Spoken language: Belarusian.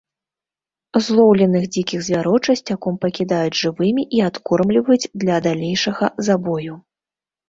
Злоўленых дзікіх звяроў часцяком пакідаюць жывымі і адкормліваюць для далейшага забою.